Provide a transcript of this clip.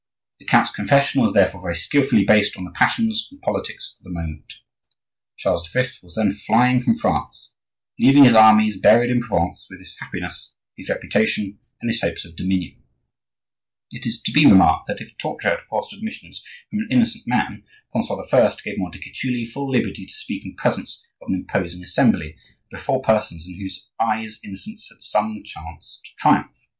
The count's confession was therefore very skilfully based on the passions and politics of the moment; Charles V. was then flying from France, leaving his armies buried in Provence with his happiness, his reputation, and his hopes of dominion. It is to be remarked that if torture had forced admissions from an innocent man, Francois I. gave Montecuculi full liberty to speak in presence of an imposing assembly, and before persons in whose eyes innocence had some chance to triumph.